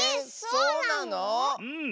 そうなの？